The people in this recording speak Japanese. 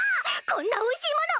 こんなおいしいもの